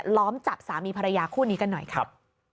ล้อมจับสามีภรรยาคู่นี้กันหน่อยครับ